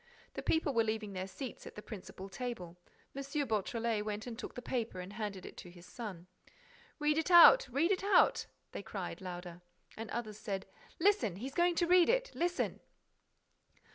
The people were leaving their seats at the principal table. M. Beautrelet went and took the paper and handed it to his son. "Read it out! Read it out!" they cried, louder. And others said: "Listen! He's going to read it! Listen!"